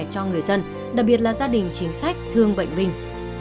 cho người dân đặc biệt là gia đình chính sách thương bệnh binh